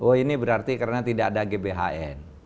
oh ini berarti karena tidak ada gbhn